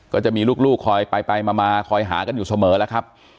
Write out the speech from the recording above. ก็จะมีลูกคอยไปมาคอยหากันอยู่เสมอแล้วครับ